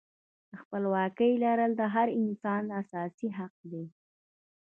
د خپلواکۍ لرل د هر انسان اساسي حق دی.